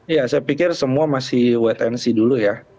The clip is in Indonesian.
ya saya pikir semua masih wait and see dulu ya